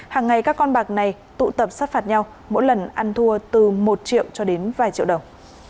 hàng ngày các con bạc này tụ tập sát phạt nhau mỗi lần ăn thua từ một triệu cho đến vài triệu đồng